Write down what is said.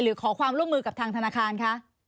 ขอความร่วมมือกับทางธนาคารคะ